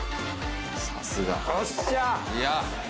さすが。